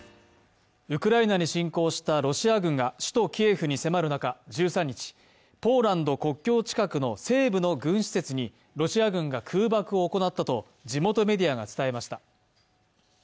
ウクライナに侵攻したロシア軍が首都キエフに迫る中、１３日、ポーランド国境近くの西部の軍施設に、ロシア軍が空爆を行ったと地元メディアが伝えました。